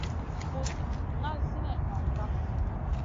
Kuɗ ŋal sinèh noŋ kaf.